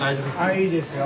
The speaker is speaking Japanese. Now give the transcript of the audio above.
はいいいですよ。